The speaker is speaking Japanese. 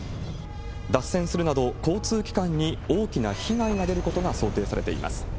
脱線するなど交通機関に大きな被害が出ることが想定されています。